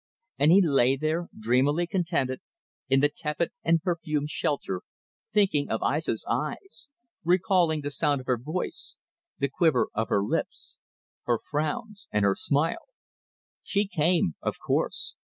And he lay there, dreamily contented, in the tepid and perfumed shelter, thinking of Aissa's eyes; recalling the sound of her voice, the quiver of her lips her frowns and her smile. She came, of course.